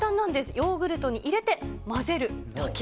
ヨーグルトに入れて混ぜるだけ。